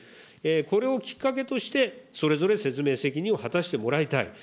これをきっかけとして、それぞれ説明責任を果たしてもらいたい。